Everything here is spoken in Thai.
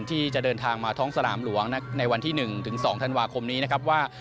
ที่จะเดินทางมาท้องสนามหลวงในวันที่๑๒ธันวาคมนี้นะครับว่า